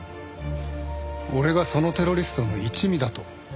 俺がそのテロリストの一味だと？